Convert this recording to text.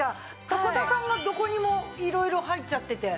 高田さんがどこにも色々入っちゃってて。